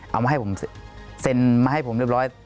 เอามาให้ผมเซ็นมาให้ผมเรียบร้อย